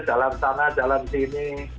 dalam tanah dalam sini